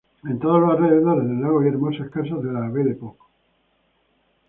En todos los alrededores del lago hay hermosas casas de la "Belle Époque".